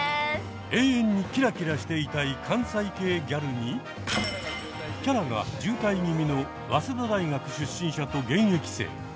永遠にキラキラしていたい関西系ギャルにキャラが渋滞気味の早稲田大学出身者と現役生。